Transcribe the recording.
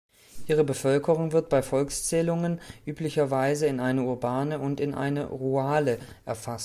Ihre Bevölkerung wird bei Volkszählungen üblicherweise in eine urbane und in eine rurale erfasst.